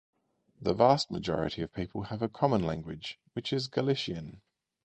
The vast majority of people have a common language which is Galician.